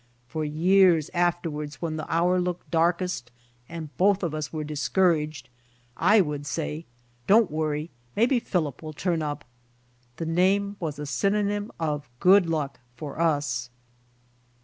For years after wards when the hour looked darkest and both of us were discouraged I would say "Don't worry, maybe Philip will turn up." The name was a synonyml of good luck for us.